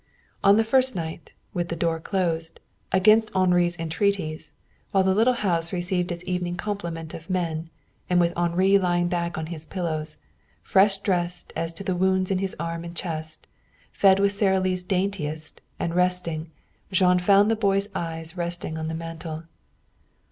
On the first night, with the door closed, against Henri's entreaties, while the little house received its evening complement of men, and with Henri lying back on his pillows, fresh dressed as to the wounds in his arm and chest, fed with Sara Lee's daintiest, and resting, Jean found the boy's eyes resting on the mantel.